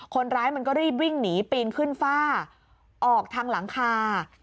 คนร้ายมันก็รีบวิ่งหนีปีนขึ้นฝ้าออกทางหลังคา